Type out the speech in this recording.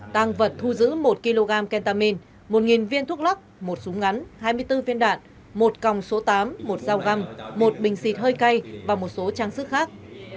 tăng vật thu giữ một kg kentamin một viên thuốc lắc một súng ngắn hai mươi bốn viên đạn một còng số tám một dao găm một bình xịt hơi cay và một số trang sức khác